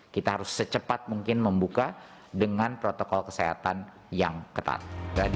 kita harus secepat mungkin membuka dengan protokol kesehatan yang ketat